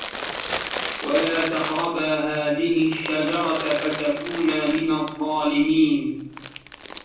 وَلَا تَقْرَبَا هَٰذِهِ الشَّجَرَةَ فَتَكُونَا مِنَ الظَّالِمِينَ